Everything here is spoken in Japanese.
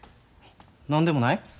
何でもない。